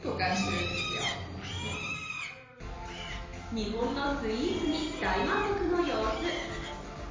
日本のスイーツに大満足の様子。